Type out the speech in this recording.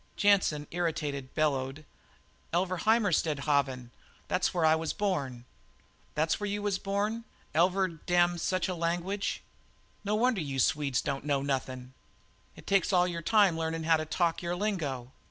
Jansen, irritated, bellowed: "Elvaruheimarstadhaven! That's where I was born." "That's where you was born? Elvaru damn such a language! No wonder you Swedes don't know nothin'. It takes all your time learnin' how to talk your lingo.